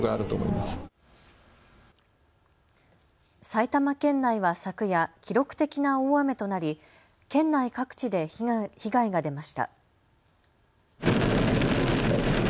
埼玉県内は昨夜、記録的な大雨となり県内各地で被害が出ました。